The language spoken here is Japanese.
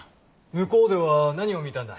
向こうでは何を見たんだ？